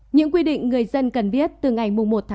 những quy định người dân cần biết từ ngày một một mươi